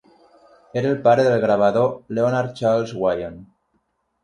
Era el pare del gravador Leonard Charles Wyon.